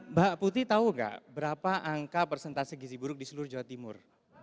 mbak putih tahu nggak berapa angka persentase gizi buruk di seluruh jawa timur